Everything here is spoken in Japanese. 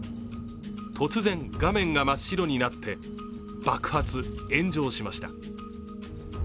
突然、画面が真っ白になって爆発・炎上しました。